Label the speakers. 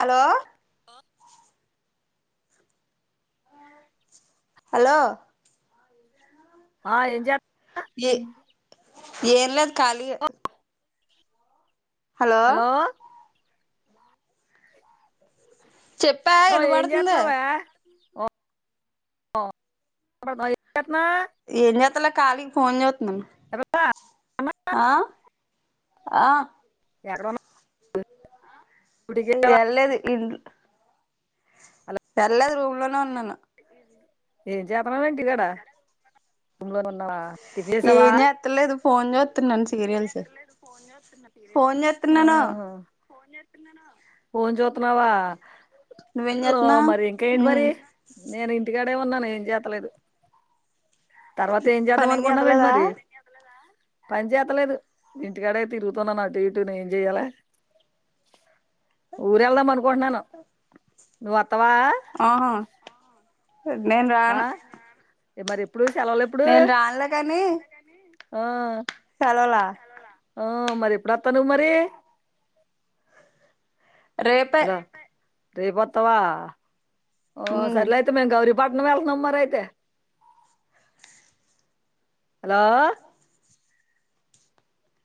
Speaker 1: Hello
Speaker 2: అ
Speaker 1: hello
Speaker 2: ఆ ఎంజాత్
Speaker 1: ఏ ఏన్ లేదు ఖాళీ ఏ
Speaker 2: హలో
Speaker 1: చెప్పా ఇనబడుతుంది
Speaker 2: ఓ ఒ
Speaker 1: ఏంజేతలే కాలిగా ఫోన్ జూత్
Speaker 2: ఎవరా? అమ్మ,
Speaker 1: ఆ ఆ
Speaker 2: ఎక్కడున్నావ్
Speaker 1: ఎల్లలేద్ ఇన్
Speaker 2: హలో
Speaker 1: ఏళ్లలేద్ రూమ్ లోనే ఉన్నాను
Speaker 2: ఏం చేతనావేంటి ఇవాళ రూమ్ లో ఉన్నావా టిఫిన్ చేసావా
Speaker 1: ఏం జేతలేదు ఫోన్ జూ ఫోన్ చేస్తున్నాను
Speaker 2: ఆహా ఫోన్ జూతున్నావా
Speaker 1: నువ్వేం
Speaker 2: ఆ
Speaker 1: చేస్తున్నావ్
Speaker 2: మరి ఇంకేంటి
Speaker 1: ఉమ్
Speaker 2: మరి నేను ఇంటికా ఉర్కే ఉన్నాను ఏం జేతలేదు తర్వాత ఏం చేద్దాం
Speaker 1: పనేం
Speaker 2: అనుకున్నావ్ ఏంటి
Speaker 1: చేతలేదా
Speaker 2: మరి పని చేతలేదు ఇంటికాడే తిరుగుతున్నాను అటు ఇటున ఏం చెయ్యాలని ఊరెల్దమన్ కొన్నాను నువ్వ
Speaker 1: ఆహా నేను రాను
Speaker 2: ఈ మరి ఈ
Speaker 1: నేను రాన్లే కాని
Speaker 2: ఆ
Speaker 1: సెలవుల
Speaker 2: ఆ మరి ఎప్పుడు వత్తాన్నవ్ మరి
Speaker 1: రేపే
Speaker 2: రేపొత్తవా ఆ
Speaker 1: ఉమ్
Speaker 2: సర్లయితే మేము గౌరీ బట్నం ఎల్తున్నాం మరైతే హలో